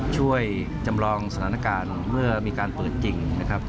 ช่วยจำลองสถานการณ์เมื่อมีการเปิดจริงนะครับ